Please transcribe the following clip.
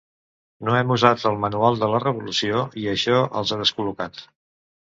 No hem usat el el "manual de la revolució" i això els ha descol·locat.